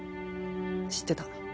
知ってた。